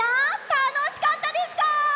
たのしかったですか？